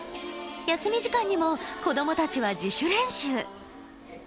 休み時間にも子どもたちは自主練習。